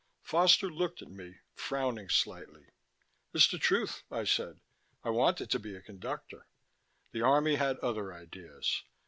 Foster looked at me, frowning slightly. "It's the truth," I said. "I wanted to be a conductor. The army had other ideas.